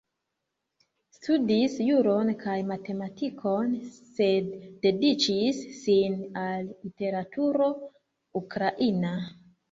Studis juron kaj matematikon, sed dediĉis sin al literaturo ukraina.